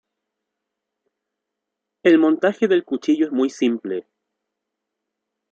El montaje del cuchillo es muy simple.